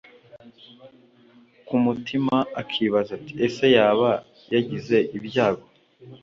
kumutima akibaza ati ese yaba yagize ibyago